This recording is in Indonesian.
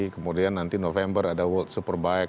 kemudian nanti november ada world superbike